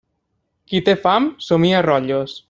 Qui té fam somia rotllos.